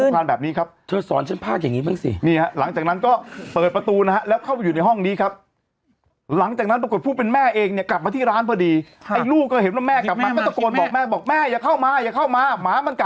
แต่บอกว่าเราดูสิเราต้องอ่านข่าวมาพิษบูอีกนานแค่ไหนล่ะ